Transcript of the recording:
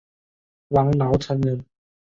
王尧臣人。